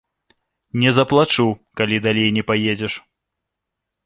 Не заплачу, калі далей не паедзеш!